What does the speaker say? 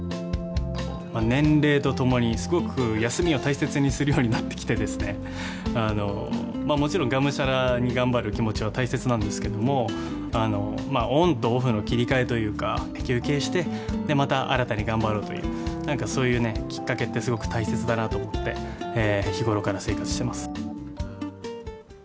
年齢とともに、すごく休みを大切にするようになってきてですね、もちろん、がむしゃらに頑張る気持ちは大切なんですけれども、オンとオフの切り替えというか、休憩して、また新たに頑張ろうという、なんかそういうきっかけって、すごく大切だなと思って、日頃から生活してます。